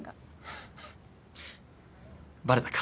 ハハッバレたか。